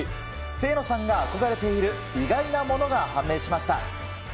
清野さんが憧れている意外なものが判明しました。